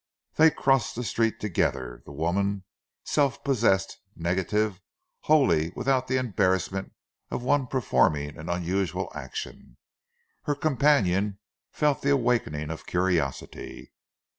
They crossed the street together, the woman self possessed, negative, wholly without the embarrassment of one performing an unusual action. Her companion felt the awakening of curiosity.